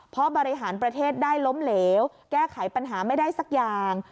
เพราะบริหารประเทศได้ล้มเหลวแก้ไขปัญหาไม่ได้สักอย่าง